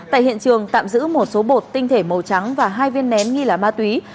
tại hiện trường tạm giữ một số bột tinh thể màu trắng và hai viên nén nghi là ma túy